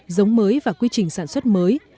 giống mới và quy trình sản xuất mới